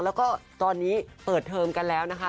แล้วก็ตอนนี้เปิดเทอมกันแล้วนะคะ